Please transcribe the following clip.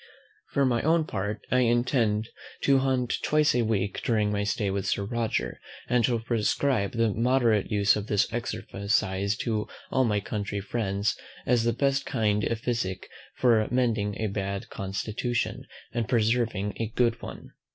For my own part I intend to hunt twice a week during my stay with Sir Roger; and shall prescribe the moderate use of this exercise to all my country friends as the best kind of physick for mending a bad constitution, and preserving a good one.